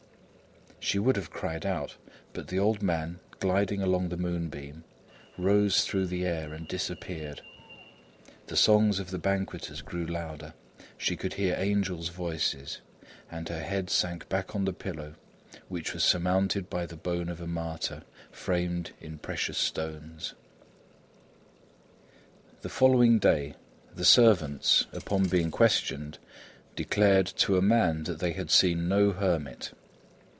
She would have cried out, but the old man, gliding along the moonbeam, rose through the air and disappeared. The songs of the banqueters grew louder. She could hear angels' voices, and her head sank back on the pillow, which was surmounted by the bone of a martyr, framed in precious stones. The following day, the servants, upon being questioned, declared, to a man, that they had seen no hermit.